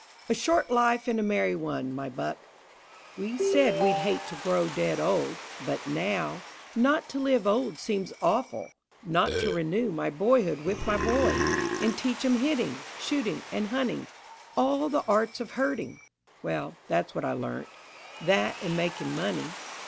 A short life and a merry one, my buck! We said we'd hate to grow dead old. But now, Not to live old seems awful: not to renew My boyhood with my boys, and teach 'em hitting, Shooting and hunting, all the arts of hurting! Well, that's what I learnt. That, and making money.